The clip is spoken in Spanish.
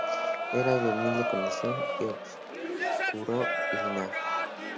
Era de humilde condición y obscuro linaje.